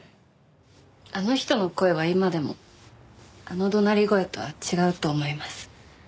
あの人の声は今でもあの怒鳴り声とは違うと思います。